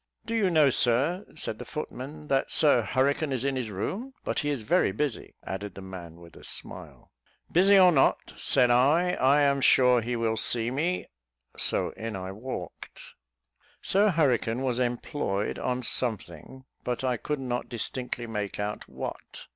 "Do you know, Sir," said the footman, "that Sir Hurricane is in his room? but he is very busy," added the man, with a smile. "Busy or not," said I, "I am sure he will see me," so in I walked. Sir Hurricane was employed on something, but I could not distinctly make out what.